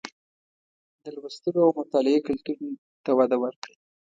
د لوستلو او مطالعې کلتور ته وده ورکړئ